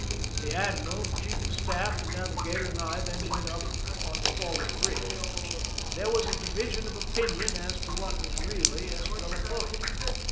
The admiral, the chief of staff, the navigator, and I then went up on the forward bridge. There was a division of opinion as to what was really Estrella Point.